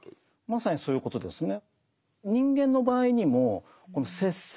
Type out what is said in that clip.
まさにそういうことですね。